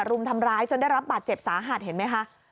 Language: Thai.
รุมทำร้ายจนได้รับบาดเจ็บสาหัสเห็นไหมคะ